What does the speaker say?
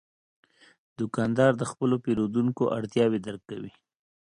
دوکاندار د خپلو پیرودونکو اړتیاوې درک کوي.